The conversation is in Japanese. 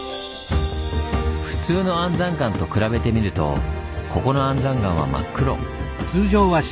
普通の安山岩と比べてみるとここの安山岩は真っ黒。